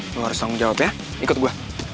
lo harus tanggung jawab ya ikut gue